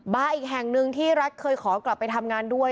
อีกแห่งหนึ่งที่รัฐเคยขอกลับไปทำงานด้วย